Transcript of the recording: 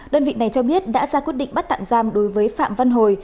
đơn vị này cho biết đã ra quyết định bắt tạm giam đối với phạm văn hồi